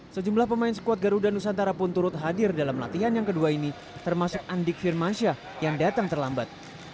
sejumlah pemain skuad garuda nusantara pun turut hadir dalam latihan yang kedua ini termasuk andik firmansyah yang datang terlambat